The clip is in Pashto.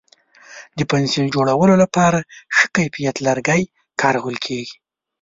د پنسل جوړولو لپاره ښه کیفیت لرګی کارول کېږي.